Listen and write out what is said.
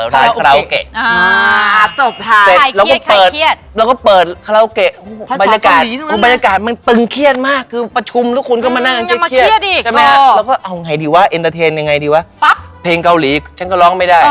มันก็ต้องสนุกอะวันยังการร้อง